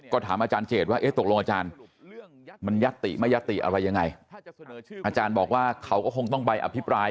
ก็ถามอาจารย์เจตว่าเอ๊ะตกลงอาจารย์มันยัตติไม่ยัตติอะไรยังไงอาจารย์บอกว่าเขาก็คงต้องไปอภิปราย